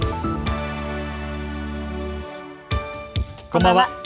こんばんは。